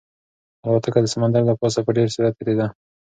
الوتکه د سمندر له پاسه په ډېر سرعت تېرېده.